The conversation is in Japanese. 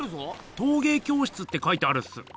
「とうげい教室」って書いてあるっす。